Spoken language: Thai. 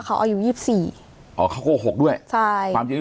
แต่เขาโกหกว่าเขาอายุ๒๔